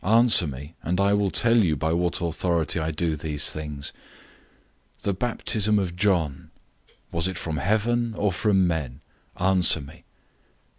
Answer me, and I will tell you by what authority I do these things. 011:030 The baptism of John was it from heaven, or from men? Answer me."